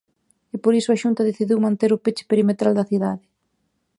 E por iso a Xunta decidiu manter o peche perimetral da cidade.